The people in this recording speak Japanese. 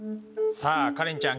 さあカレンちゃん